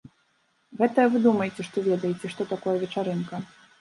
Гэтыя вы думаеце, што ведаеце, што такое вечарынка.